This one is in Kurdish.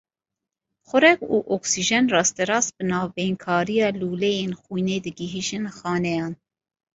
Xurek û oksîjen rasterast bi navbeynkariya lûleyên xwînê digihîjin xaneyan.